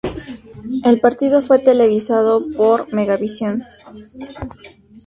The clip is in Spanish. El partido fue televisado por Megavisión.